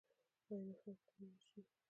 آیا نفرت به مینه شي؟